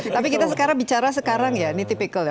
tapi kita sekarang bicara sekarang ya ini tipikal ya